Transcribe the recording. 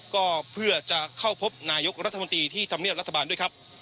ก็เพื่อจะเข้าพบนายกรัฐมนตรีที่ทำเนียบรัฐบาลด้วยครับ